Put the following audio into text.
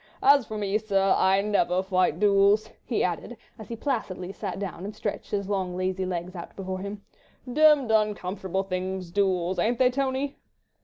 ... As for me, sir, I never fight duels," he added, as he placidly sat down and stretched his long, lazy legs out before him. "Demmed uncomfortable things, duels, ain't they, Tony?"